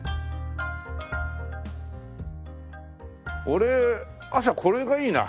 俺朝これがいいな。